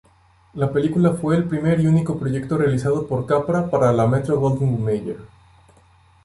La película fue el primer y único proyecto realizado por Capra para la Metro-Goldwyn-Mayer.